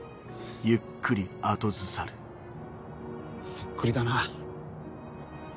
そっくりだな。